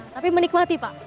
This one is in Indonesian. tapi menikmati pak